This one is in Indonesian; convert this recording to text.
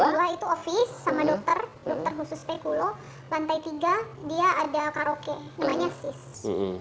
lantai satu lantai dua itu office sama dokter dokter khusus pekulo lantai tiga dia ada karaoke namanya